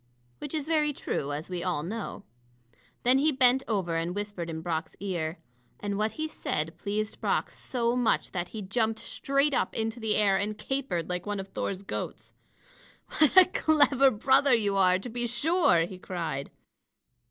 Which is very true, as we all know. Then he bent over and whispered in Brock's ear. And what he said pleased Brock so much that he jumped straight up into the air and capered like one of Thor's goats. "What a clever brother you are, to be sure!" he cried.